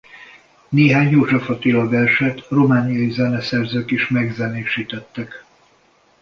Néhány József Attila-verset romániai zeneszerzők is megzenésítettek.